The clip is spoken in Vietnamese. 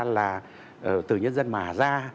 là từ nhân dân mà ra